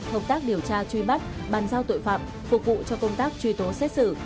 hợp tác điều tra truy bắt bàn giao tội phạm phục vụ cho công tác truy tố xét xử